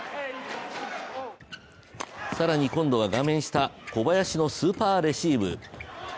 更に今度は画面下、小林のスーパーレシーブ。